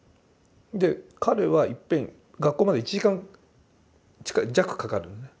で彼はいっぺん学校まで１時間近い弱かかるの。